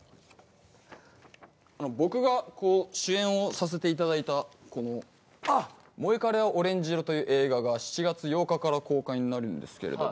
僕が主演をさせていただいた『モエカレはオレンジ色』という映画が７月８日から公開になるんですけど。